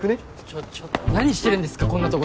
ちょちょっ何してるんですかこんなとこで。